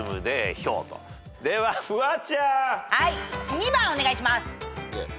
２番お願いします。